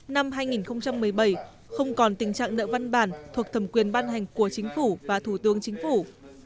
năm hai nghìn một mươi bảy không còn tình trạng nợ văn bản thuộc thẩm quyền ban hành của chính phủ và thủ tướng chính phủ